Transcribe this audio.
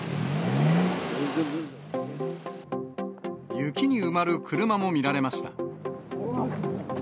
雪に埋まる車も見られました。